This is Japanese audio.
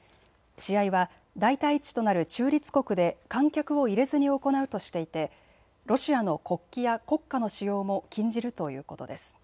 試合は代替地となる中立国で観客を入れずに行うとしていてロシアの国旗や国歌の使用も禁じるということです。